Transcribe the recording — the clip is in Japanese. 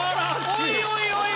おいおいおい。